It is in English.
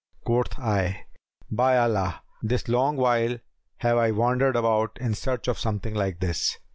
Quoth I, 'By Allah, this long while have I wandered about in search of something like this!'"